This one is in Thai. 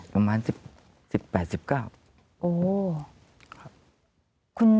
ประมาณ๑๘๑๙